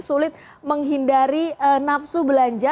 sulit menghindari nafsu belanja